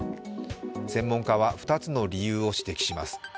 専門家は２つの理由を指摘します。